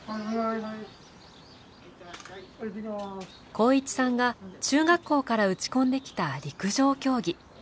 航一さんが中学校から打ち込んできた陸上競技。